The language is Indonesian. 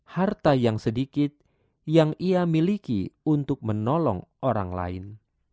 harta yang sedikit yang ia miliki untuk menolong orang lain